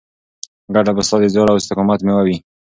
ګټه به ستا د زیار او استقامت مېوه وي.